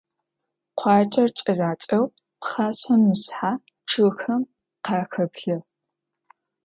Къуаджэр кӀэракӀэу пхъэшъхьэ-мышъхьэ чъыгхэм къахэплъы.